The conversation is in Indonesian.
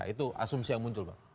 itu asumsi yang muncul pak